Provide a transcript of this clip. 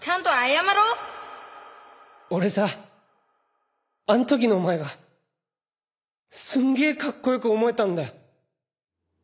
俺さあの時のお前がすんげえかっこよく思えたんだよ。